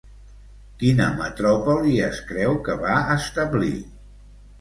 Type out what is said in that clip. Quina metròpoli es creu que va establir?